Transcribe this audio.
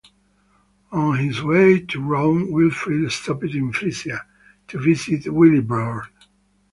On his way to Rome Wilfrid stopped in Frisia to visit Willibrord.